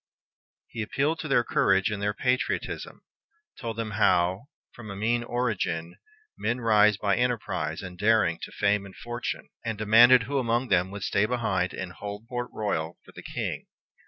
He appealed to their courage and their patriotism, told them how, from a mean origin, men rise by enterprise and daring to fame and fortune, and demanded who among them would stay behind and hold Port Royal for the King.